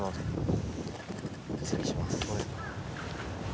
失礼します。